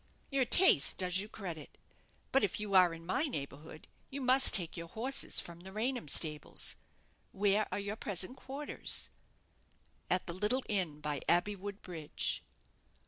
"Your taste does you credit. But if you are in my neighbourhood, you must take your horses from the Raynham stables. Where are your present quarters?" "At the little inn by Abbeywood Bridge."